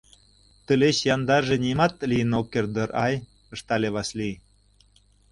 — Тылеч яндарже нимат лийын ок керт дыр-ай, — ыштале Васлий.